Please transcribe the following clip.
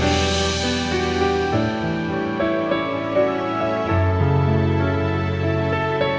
kau bisa lihat rana aja